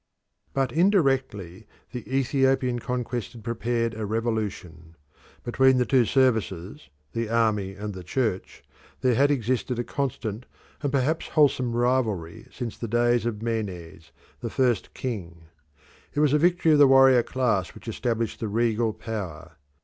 But indirectly the Ethiopian conquest had prepared a revolution. Between the two services, the Army and the Church, there had existed a constant and perhaps wholesome rivalry since the days of Menes, the first king. It was a victory of the warrior class which established the regal power.